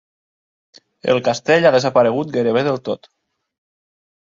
El castell ha desaparegut gairebé del tot.